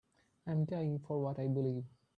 I'm dying for what I believe.